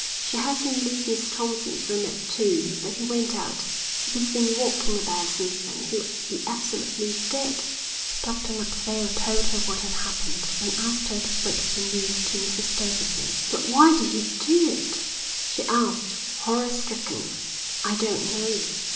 She heard him leave Miss Thompson's room at two, but he went out. If he's been walking about since then he'll be absolutely dead." Dr Macphail told her what had happened and asked her to break the news to Mrs Davidson. "But why did he do it?" she asked, horror stricken. "I don't know."